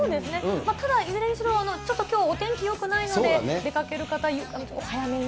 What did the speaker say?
ただ、いずれにしろ、ちょっときょう、お天気よくないので、出かける方、お早めに。